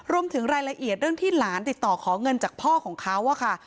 รวมถึงรายละเอียดเรื่องที่หลานติดต่อขอเงินจากพ่อของเขาค่ะ